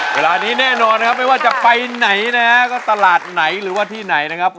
เวลานี้แน่นอนนะครับไม่ว่าจะไปไหนนะฮะก็ตลาดไหนหรือว่าที่ไหนนะครับ